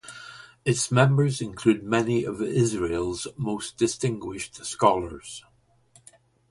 Its members include many of Israel's most distinguished scholars.